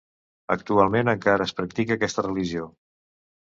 Actualment encara es practica aquesta religió.